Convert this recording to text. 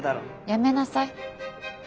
やめなさい。